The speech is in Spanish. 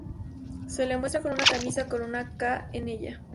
Se le muestra con una camisa con una "K" en ella.